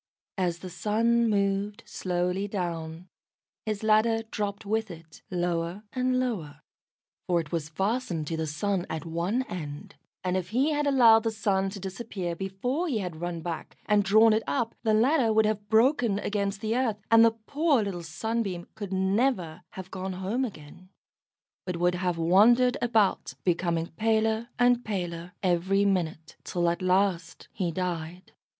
As the sun moved slowly down, his ladder dropped with it lower and lower, for it was fastened to the Sun at one end; and if he had allowed the Sun to disappear before he had run back and drawn it up, the ladder would have broken against the earth, and the poor little Sunbeam could never have gone home again, but would have wandered about, becoming paler and paler every minute, till at last he died.